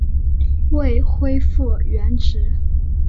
未恢复原职